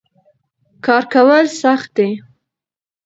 کار کول سخت دي.